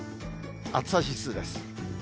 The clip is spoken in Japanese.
暑さ指数です。